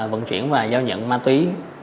vận chuyển và giao nhận ma túy